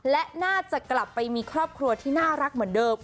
และน่าจะกลับไปมีครอบครัวที่น่ารักเหมือนเดิม